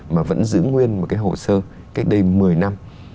mà vẫn giữ nguyên một cái hồ sơ cách đây một mươi năm